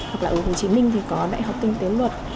hoặc là ở hồ chí minh thì có đại học kinh tế luật